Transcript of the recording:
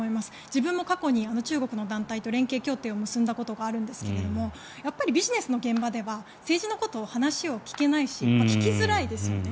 自分も過去に中国の団体と連携協定を結んだことがあるんですがやっぱりビジネスの現場では政治の話を聞けないし聞きづらいですよね。